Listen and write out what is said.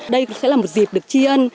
đây sẽ là một dịp được chi ân